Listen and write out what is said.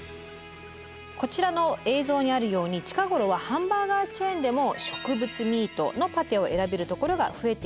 こちらの映像にあるように近頃はハンバーガーチェーンでも植物ミートのパテを選べるところが増えてきています。